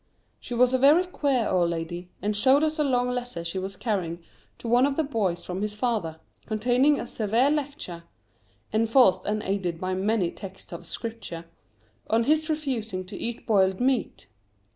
She was a very queer old lady, and showed us a long letter she was carrying to one of the boys from his father, containing a severe lecture (enforced and aided by many texts of Scripture) on his refusing to eat boiled meat.